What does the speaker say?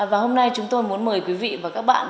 và hôm nay chúng tôi muốn mời quý vị và các bạn